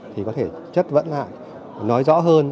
thì có thể chất vấn lại nói rõ hơn